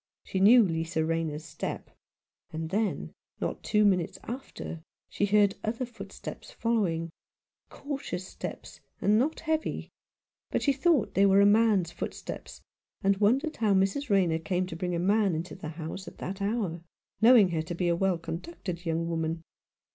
She knew : Lisa Rayner's step; and then, not two minutes after, she heard other footsteps following — cautious steps, and not heavy ; but she thought they were a man's footsteps, and wondered how Mrs. Rayner came to bring a man into the house at that hour, knowing her to be a well conducted young woman.